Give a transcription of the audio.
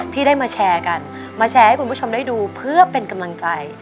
ที่ได้มาแชร์กันมาแชร์ให้คุณผู้ชมได้ดูเพื่อเป็นกำลังใจ